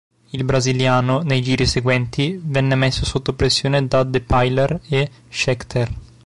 Il brasiliano, nei giri seguenti, venne messo sotto pressione da Depailler e Scheckter.